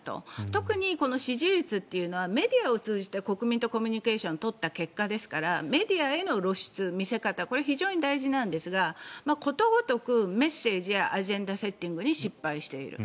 特にこの支持率というのはメディアを通じて国民とコミュニケーションを取った結果ですからメディアへの露出、見せ方これ非常に大事なんですがことごとく、メッセージやアジェンダセッティングに失敗している。